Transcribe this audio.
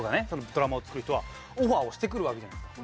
ドラマを作る人はオファーをしてくるわけじゃないですか。